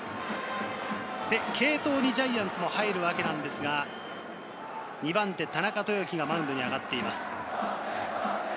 継投にジャイアンツも入るわけですが、２番手の田中豊樹がマウンドに上がっています。